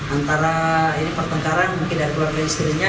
antara ini pertengkaran mungkin dari keluarga istrinya